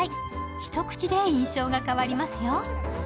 一口で印象が変わりますよ。